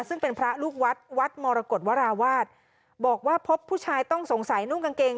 ซึ่งเป็นพระลูกวัดวัดมรกฏวราวาสบอกว่าพบผู้ชายต้องสงสัยนุ่งกางเกง